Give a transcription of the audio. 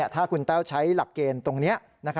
ถ้าคุณแต้วใช้หลักเกณฑ์ตรงนี้